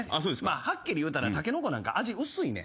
はっきり言うたらタケノコなんか味薄いねん。